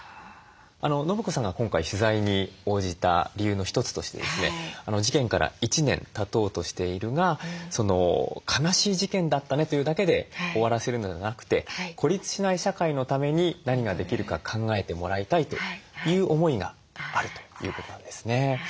伸子さんが今回取材に応じた理由の一つとしてですね事件から１年たとうとしているが「悲しい事件だったね」というだけで終わらせるのではなくて孤立しない社会のために何ができるか考えてもらいたいという思いがあるということなんですね。